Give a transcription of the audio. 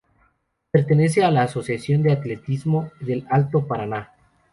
Pertenece a la Asociación de Atletismo del Alto Paraná.